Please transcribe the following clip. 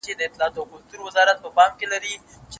د کونړ په سیند کي پورته یکه زار د جاله وان کې